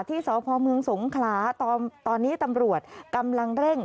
ที่สพเมืองสงขลาตอนนี้ตำรวจกำลังเร่ง